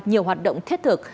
nhiều hoạt động thiết thực